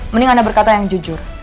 mending anda berkata yang jujur